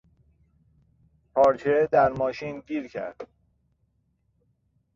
پارچه در ماشین گیر کرد.